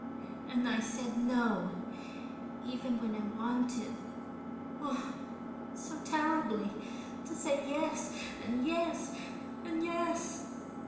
"And I said no, even when I wanted, oh, so terribly, to say yes and yes and yes."